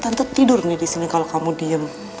tante tidur nih disini kalo kamu diem